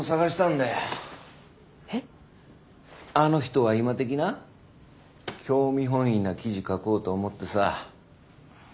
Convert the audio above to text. あの人は今的な興味本位な記事書こうと思ってさ。